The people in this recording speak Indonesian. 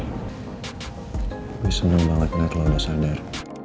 hai senang banget lu udah sadar